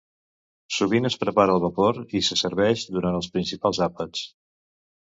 Sovint es prepara al vapor i se serveix durant els principals àpats.